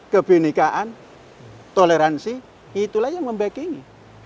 kebenikaan toleransi itulah yang membacking nya